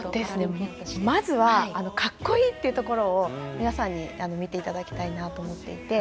まずは格好いいというところを皆さんに見ていただきたいなと思っていて。